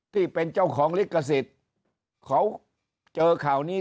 ที่เป็นเจ้าของลิขสิทธิ์เขาเจอข่าวนี้